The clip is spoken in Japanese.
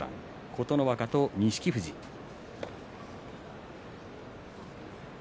琴ノ若と錦富士です。